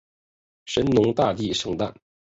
神农大帝圣诞